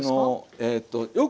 ええとよく。